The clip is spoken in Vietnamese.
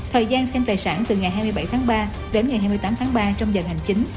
thời gian xem tài sản từ ngày hai mươi bảy tháng ba đến ngày hai mươi tám tháng ba trong giờ hành chính